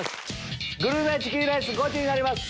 グルメチキンレースゴチになります！